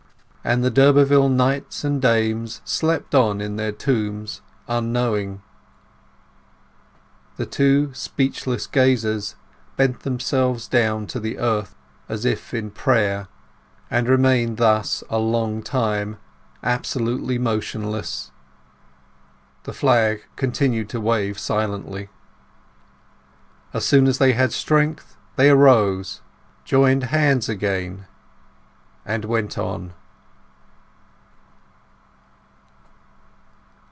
And the d'Urberville knights and dames slept on in their tombs unknowing. The two speechless gazers bent themselves down to the earth, as if in prayer, and remained thus a long time, absolutely motionless: the flag continued to wave silently. As soon as they had strength, they arose, joined hands again, and went on.